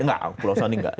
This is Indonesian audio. enggak pulau sandi enggak